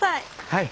はい。